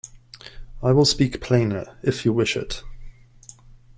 I will speak plainer, if you wish it.